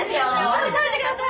食べてください。